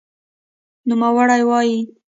نوموړې وايي